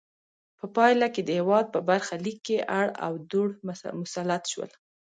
په پایله کې د هېواد په برخه لیک کې اړ او دوړ مسلط شول.